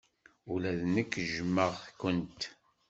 Ula d nekk jjmeɣ-kent.